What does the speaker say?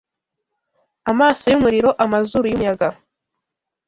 Amaso yumuriro, amazuru yumuyaga